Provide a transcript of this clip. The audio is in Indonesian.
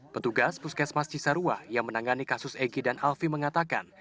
petugas puskesmas cisarua yang menangani kasus egy dan alfie mengatakan